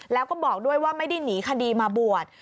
แล้วก็บอกด้วยว่าไม่ได้หนีคดีมาบวช